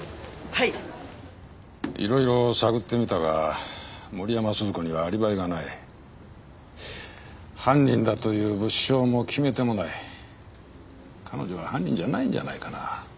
はいいろいろ探ってみたが森山鈴子にはアリバイがない犯人だという物証も決め手もない彼女は犯人じゃないんじゃないかな